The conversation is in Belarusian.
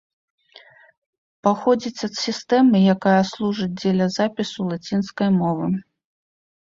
Паходзіць ад сістэмы, якая служыць дзеля запісу лацінскай мовы.